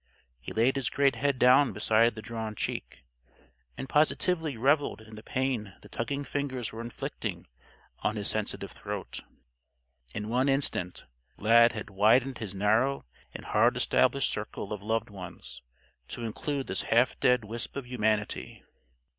He laid his great head down beside the drawn cheek, and positively reveled in the pain the tugging fingers were inflicting on his sensitive throat. In one instant, Lad had widened his narrow and hard established circle of Loved Ones, to include this half dead wisp of humanity.